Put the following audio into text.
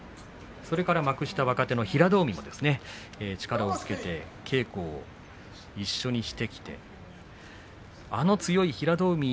それから幕下、若手の平戸海力をつけて稽古を一緒にしてきました。